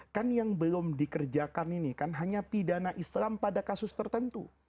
kan yang belum dikerjakan ini kan hanya pidana islam pada kasus tertentu